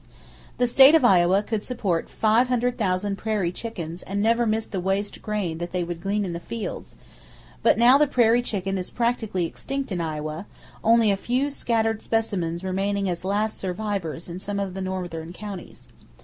The State of Iowa could support 500,000 prairie chickens and never miss the waste grain that they would glean in the fields; but now the prairie chicken is practically extinct in Iowa, only a few scattered specimens remaining as "last survivors" in some of the northern counties.